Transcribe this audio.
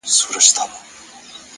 صبر د سترو لاسته راوړنو شرط دی,